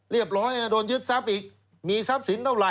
เรียบร้อยโดนยึดทรัพย์อีกมีทรัพย์สินเท่าไร